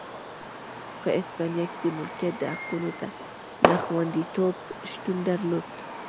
په هسپانیا کې د مالکیت د حقونو نه خوندیتوب شتون درلود.